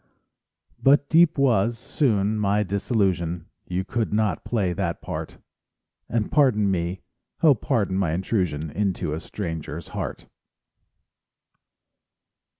But deep was, soon, my disillusion, You could not play that part; And pardon me, oh, pardon my intrusion, Into a stranger's heart.